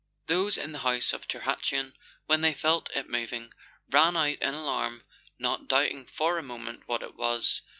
Those in the house at Tirhatuan, when they felt it moving, ran out in alarm, not doubting for a moment what it was.